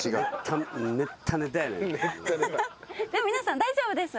皆さん大丈夫です。